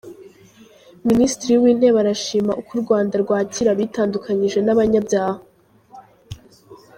Minisitiri w’Intebe arashima uko u Rwanda rwakira abitandukanyije nabanyabyaha